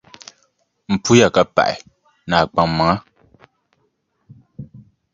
M puhiya ka paɣi, ni a kpaŋmaŋa.